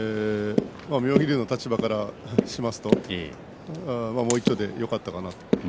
妙義龍の立場からしますと、もう一丁でよかったかなと。